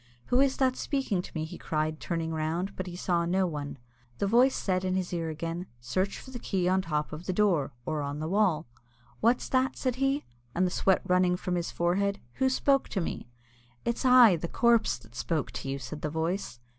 "Who is that speaking to me?" he cried, turning round; but he saw no one. The voice said in his ear again, "Search for the key on the top of the door, or on the wall." "What's that?" said he, and the sweat running from his forehead; "who spoke to me?" "It's I, the corpse, that spoke to you!" said the voice.